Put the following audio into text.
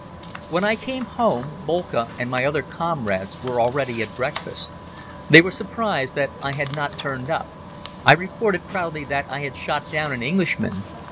When I came home Boelcke and my other comrades were already at breakfast. They were surprised that I had not turned up. I reported proudly that I had shot down an Englishman.